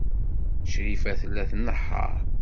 Crifa tella tnehheṛ.